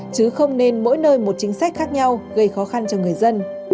chứ không nên mỗi nơi một chính sách khác nhau gây khó khăn cho người dân